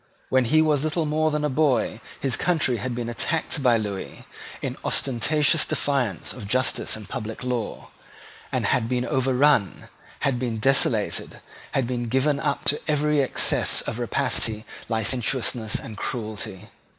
When he was little more than a boy his country had been attacked by Lewis in ostentatious defiance of justice and public law, had been overrun, had been desolated, had been given up to every excess of rapacity, licentiousness, and cruelty.